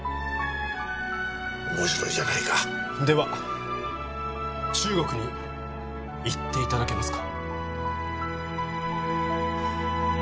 面白いじゃないかでは中国に行っていただけますか？